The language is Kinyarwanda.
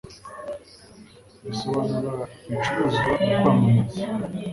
Basobanura Ibicuruzwa Mu Kwamamaza